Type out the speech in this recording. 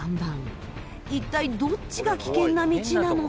一体どっちが危険な道なのか？